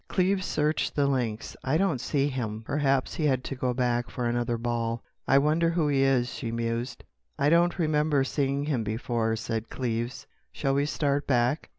Cleves searched the links. "I don't see him. Perhaps he had to go back for another ball." "I wonder who he was," she mused. "I don't remember seeing him before," said Cleves.... "Shall we start back?"